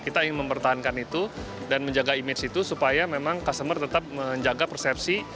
kita ingin mempertahankan itu dan menjaga image itu supaya memang customer tetap menjaga persepsi